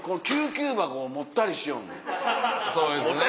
そうですね。